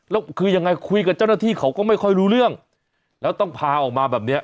แล้วคือยังไงคุยกับเจ้าหน้าที่เขาก็ไม่ค่อยรู้เรื่องแล้วต้องพาออกมาแบบเนี้ย